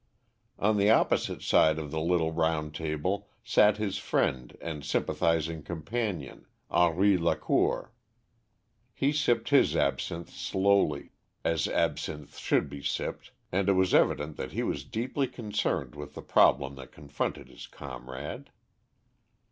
On the opposite side of the little round table sat his friend and sympathising companion, Henri Lacour. He sipped his absinthe slowly, as absinthe should be sipped, and it was evident that he was deeply concerned with the problem that confronted his comrade.